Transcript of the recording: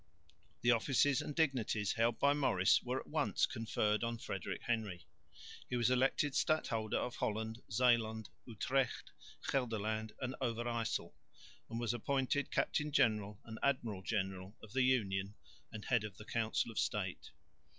The offices and dignities held by Maurice were at once conferred on Frederick Henry. He was elected Stadholder of Holland, Zeeland, Utrecht, Gelderland and Overyssel, and was appointed Captain General and Admiral General of the Union and head of the Council of State.